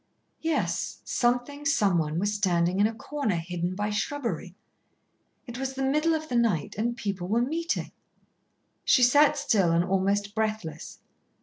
Yes, something, someone, was standing in a corner, hidden by shrubbery. It was the middle of the night, and people were meeting. She sat still and almost breathless.